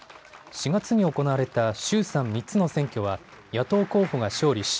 ４月に行われた衆参３つの選挙は野党候補が勝利し